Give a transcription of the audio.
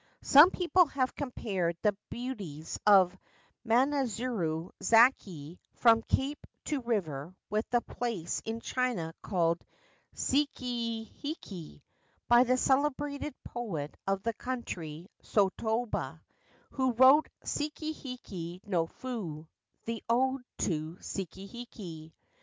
Some people have compared the beauties of Manazuru zaki from cape to river with the place in China called ' Sekiheki ' by the celebrated poet of that country, Sotoba, who wrote * Sekiheki no Fu,' the Ode to Sekiheki.